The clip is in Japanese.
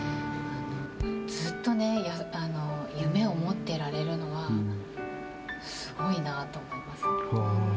ずっとね、夢を持ってられるのはすごいなと思いますね。